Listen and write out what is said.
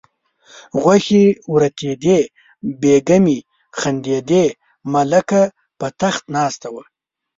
غوښې وریتېدې بیګمې خندېدې ملکه په تخت ناسته وه.